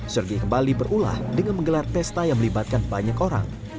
sergi kembali berulah dengan menggelar pesta yang melibatkan banyak orang